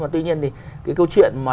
tuy nhiên thì cái câu chuyện